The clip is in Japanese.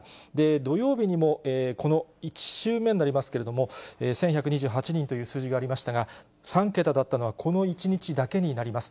土曜日にもこの１週目になりますけど、１１２８人という数字がありましたが、３桁だったのはこの１日だけになります。